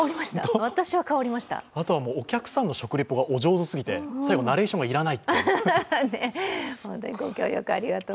あとはお客さんの食リポがお上手すぎて最後ナレーションが要らないと。